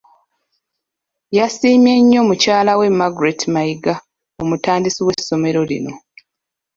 Yasiimye nnyo mukyalawe Margret Mayiga omutandisi w'essomero lino.